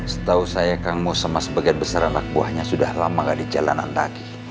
setahu saya kang mus sama sebagian besaran anak buahnya sudah lama nggak di jalanan lagi